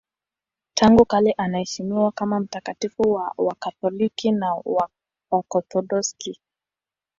Tangu kale anaheshimiwa kama mtakatifu na Wakatoliki na Waorthodoksi.